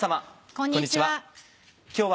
こんにちは。